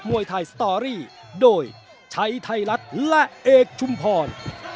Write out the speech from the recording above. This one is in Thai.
วยไทยสตอรี่โดยชัยไทยรัฐและเอกชุมพร